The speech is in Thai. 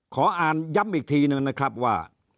ขออ่านย้ำอีกทีหนึ่งนะครับว่า